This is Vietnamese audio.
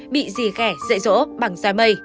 bị dì ghẻ dậy rỗ bằng da mây